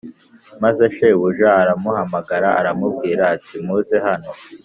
Maze shebuja aramuhamagara aramubwira ati muze hano